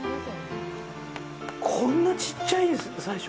こんなちっちゃい、最初！？